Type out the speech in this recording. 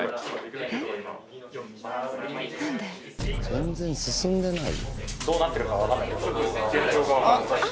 全然進んでない？